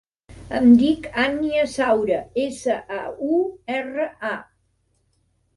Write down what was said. Em dic Ànnia Saura: essa, a, u, erra, a.